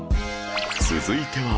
続いては